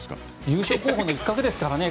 優勝候補の一角ですからね。